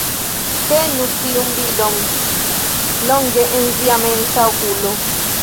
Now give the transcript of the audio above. Tenu tiun bildon longe en via mensa okulo